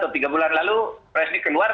tiga bulan lalu pres ini keluar